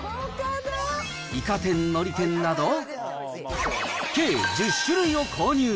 いか天のり天など、計１０種類を購入。